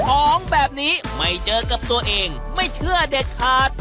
ของแบบนี้ไม่เจอกับตัวเองไม่เชื่อเด็ดขาด